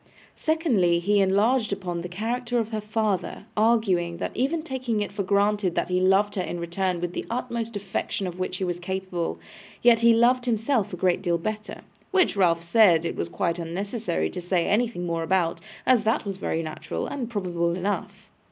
Secondly, he enlarged upon the character of her father, arguing, that even taking it for granted that he loved her in return with the utmost affection of which he was capable, yet he loved himself a great deal better; which Ralph said it was quite unnecessary to say anything more about, as that was very natural, and probable enough.